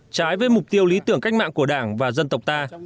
trái với mục tiêu lý tưởng cách mạng của đảng và dân tộc ta